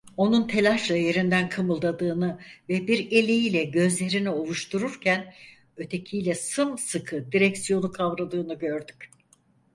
Onun telaşla yerinden kımıldadığını ve bir eliyle gözlerini ovuştururken ötekiyle sımsıkı direksiyonu kavradığını gördük.